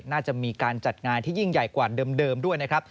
น่าจะมีการจัดงานที่ยิ่งใหญ่กว่าเดิมด้วยนะครับ